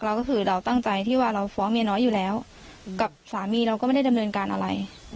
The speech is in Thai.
เราก็คือเราตั้งใจที่ว่าเราฟ้องเมียน้อยอยู่แล้วกับสามีเราก็ไม่ได้ดำเนินการอะไร